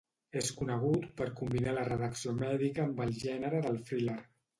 És conegut per combinar la redacció mèdica amb el gènere del thriller.